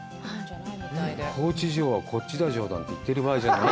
高知城はこっちだじょなんて言ってる場合じゃない。